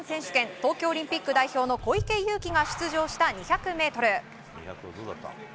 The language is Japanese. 東京オリンピック代表の小池祐貴が出場した２００ｍ。